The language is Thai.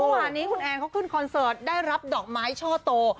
ว่านี้คุณแอนขึ้นคนเสิร์ทได้รับดอกไม้ช่อโต